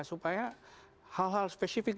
supaya hal hal spesifik